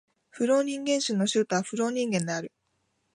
フローニンゲン州の州都はフローニンゲンである